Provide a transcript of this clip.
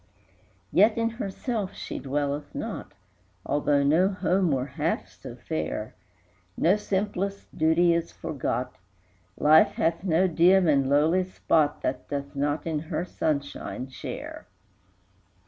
III. Yet in herself she dwelleth not, Although no home were half so fair; No simplest duty is forgot, Life hath no dim and lowly spot That doth not in her sunshine share.